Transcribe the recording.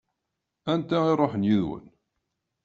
Anta i iṛuḥen yid-wen?